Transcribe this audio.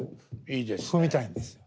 いいですね。